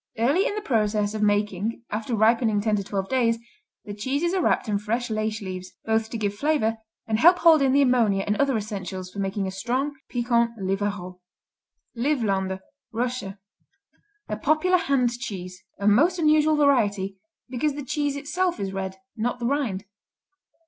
Early in the process of making, after ripening ten to twelve days, the cheeses are wrapped in fresh laiche leaves, both to give flavor and help hold in the ammonia and other essentials for making a strong, piquant Livarot. Livlander Russia A popular hand cheese. A most unusual variety because the cheese itself is red, not the rind.